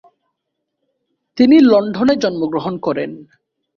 তিনি লন্ডনে জন্মগ্রহণ করেন।